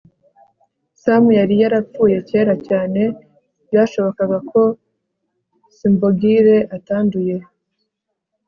sam yari yarapfuye kera cyane. byashobokaga ko sibongile atanduye